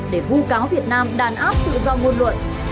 để vu cáo việt nam đàn áp tự do ngôn luận